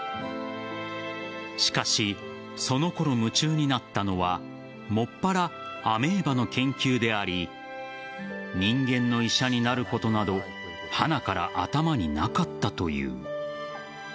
しかし、そのころ夢中になったのはもっぱらアメーバの研究であり人間の医者になることなどはなから頭になかったという。